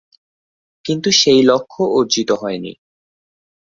কিন্তু সেই লক্ষ্য অর্জিত হয়নি।